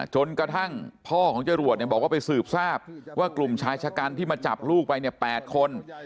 จนกระทั่งพ่อของจรวดบอกว่าไปสืบทราบว่ากลุ่มชายชะกันที่มาจับลูกไปเนี่ย๘คน